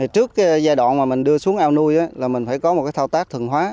trước giai đoạn mà mình đưa xuống ao nuôi là mình phải có một cái thao tác thường hóa